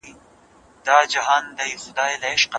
که نجونې ماډلې وي نو فیشن به نه هیریږي.